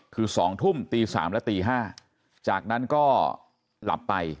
คือ๒ทุ่มตี๓และตี๕จากนั้นก็หลับไป